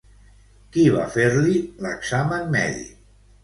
Qui va fer-li l'examen mèdic?